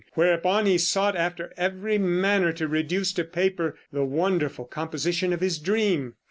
Whereupon he sought after every manner to reduce to paper the wonderful composition of his dream.